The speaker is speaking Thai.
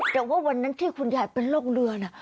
แต่ว่าวันนั้นที่คุณยายเป็นร่องเรือน่ะ